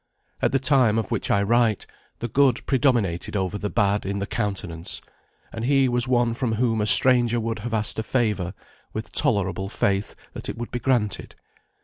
At the time of which I write, the good predominated over the bad in the countenance, and he was one from whom a stranger would have asked a favour with tolerable faith that it would be granted.